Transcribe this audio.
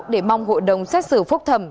để mong hội đồng xét xử phúc thẩm